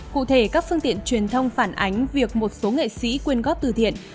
cụ thể các phương tiện truyền thông phản ánh việc một số nghệ sĩ quyên góp từ thiện